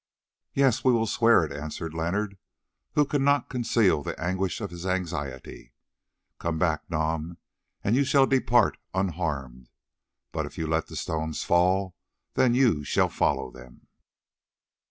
"Yes, we will swear it," answered Leonard, who could not conceal the anguish of his anxiety. "Come back, Nam, and you shall depart unharmed; but if you let the stones fall, then you shall follow them."